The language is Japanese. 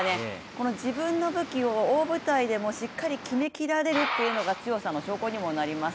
この自分の武器を大舞台でもしっかり決めきられるというのが強さの証拠にもなります。